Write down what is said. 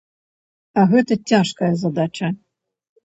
А гэта цяжкая задача.